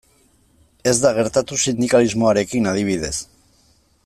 Ez da gertatu sindikalismoarekin, adibidez.